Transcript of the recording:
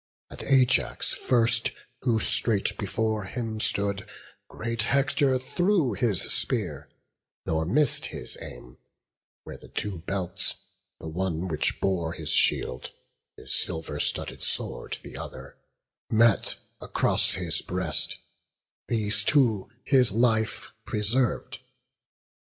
At Ajax first, who straight before him stood, Great Hector threw his spear, nor miss'd his aim, Where the two belts, the one which bore his shield, His silver studded sword the other, met Across his breast; these two his life preserv'd.